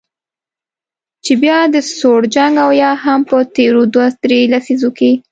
چې بیا د سوړ جنګ او یا هم په تیرو دوه درې لسیزو کې